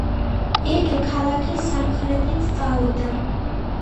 იგი ქალაქის სამხრეთით წავიდა.